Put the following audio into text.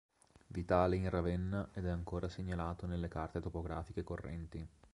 Vitale in Ravenna ed è ancora segnalato nelle carte topografiche correnti.